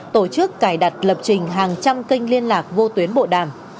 tổ chức cài đặt lập trình hàng trăm kênh liên lạc vô tuyến bộ đàm